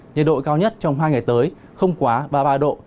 nhiệt độ cao nhất trong hai ngày tới không quá ba mươi ba độ